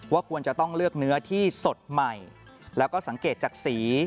ควรจะต้องเลือกเนื้อที่สดใหม่แล้วก็สังเกตจากสี